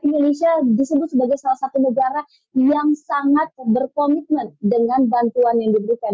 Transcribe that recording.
indonesia disebut sebagai salah satu negara yang sangat berkomitmen dengan bantuan yang diberikan